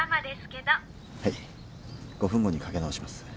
５分後にかけ直します。